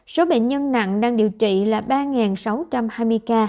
số bệnh nhân nặng đang điều trị là ba sáu trăm hai mươi ca